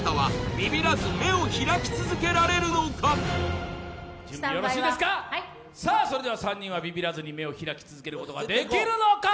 スタンバイははいさあそれでは３人はビビらずに目を開き続けることができるのか